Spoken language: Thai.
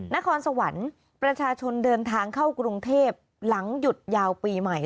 นครสวรรค์ประชาชนเดินทางเข้ากรุงเทพหลังหยุดยาวปีใหม่